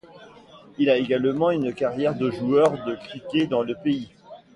Il a également une carrière de joueur de cricket dans le pays.